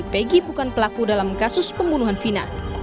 pegi bukan pelaku dalam kasus pembunuhan vina